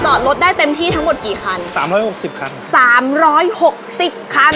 รถได้เต็มที่ทั้งหมดกี่คันสามร้อยหกสิบคันสามร้อยหกสิบคัน